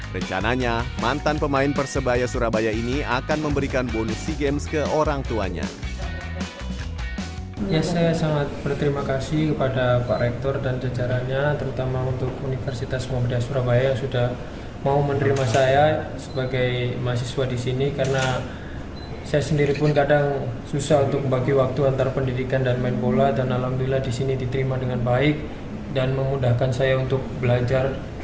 rencananya mantan pemain persebaya surabaya ini akan memberikan bonus sea games ke orang tuanya